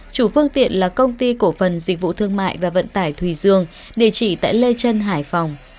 chủ phương tiện là công ty cổ phần dịch vụ thương mại và vận tải thùy dương địa chỉ tại lê trân hải phòng